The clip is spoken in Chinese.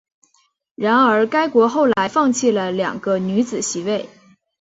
然而该国后来放弃了两个女子席位。